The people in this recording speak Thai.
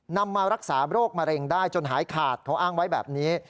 มารักษาโรคมะเร็งได้จนหายขาดเขาอ้างไว้แบบนี้